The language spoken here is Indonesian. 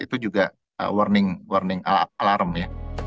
itu juga warning warning alarm ya